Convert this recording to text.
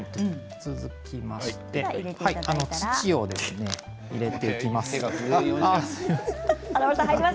続きまして土を入れていきます。